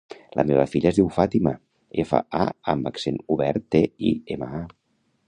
La meva filla es diu Fàtima: efa, a amb accent obert, te, i, ema, a.